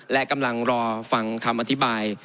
และกำลังรอฟังคำอธิบาย